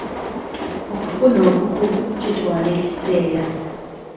Okufuna obukugu kitwala ekiseera.